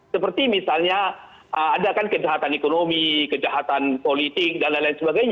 seperti misalnya ada kan kejahatan ekonomi kejahatan politik dll